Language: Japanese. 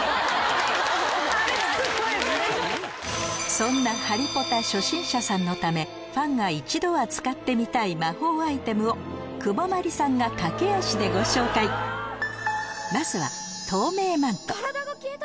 そんなハリポタ初心者さんのためファンが一度は使ってみたい魔法アイテムを窪真理さんが駆け足でご紹介まずは体が消えた！